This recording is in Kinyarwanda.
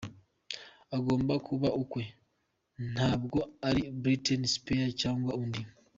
Agomba kuba ukwe, ntabwo ari Britney Spears, cyangwa undi.